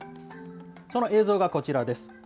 その映像がこちらです。